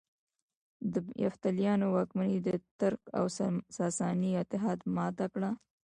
د یفتلیانو واکمني د ترک او ساساني اتحاد ماته کړه